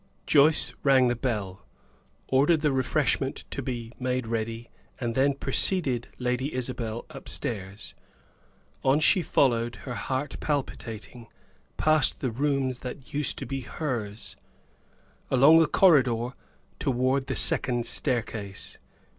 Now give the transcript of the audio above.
Joyce rang the bell, ordered the refreshment to be made ready, and then preceded Lady Isabel upstairs. On she followed her heart palpitating; past the rooms that used to be hers, along the corridor, toward the second staircase.